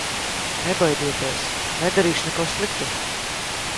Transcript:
Nebaidieties, nedarīšu neko sliktu!